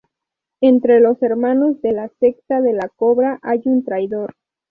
Entre los hermanos de la Secta de la Cobra hay un traidor.